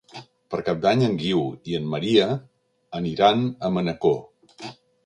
Per Cap d'Any en Guiu i en Maria aniran a Manacor.